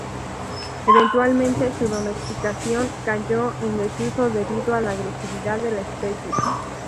Eventualmente su domesticación cayó en desuso debido a la agresividad de la especie.